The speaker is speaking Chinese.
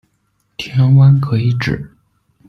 田湾可以指：